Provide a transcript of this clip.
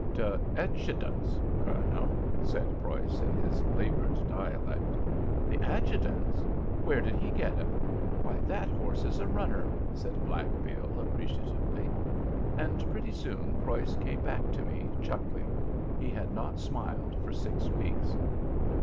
"De etschudant's, colonel," said Preuss, in his labored dialect. "The adjutant's! Where did he get him? Why, that horse is a runner!" said "Black Bill," appreciatively. And pretty soon Preuss came back to me, chuckling. He had not smiled for six weeks.